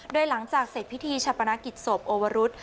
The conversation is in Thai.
โดยหลังจากเสร็จพิธีชาปนกิจศพโอวรุษ